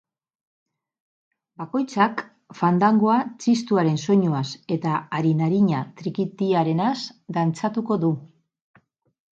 Bakoitzak fandangoa txistuaren soinuaz eta arin-arina trikitiarenaz dantzatuko du.